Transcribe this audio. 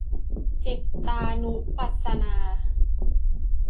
จิตตานุปัสสนา